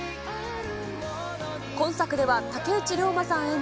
今作では竹内涼真さん